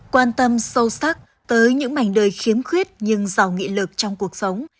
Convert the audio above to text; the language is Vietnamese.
quan tâm sâu sắc tới những mảnh đời khiếm khuyết nhưng giàu nghị lực trong cuộc sống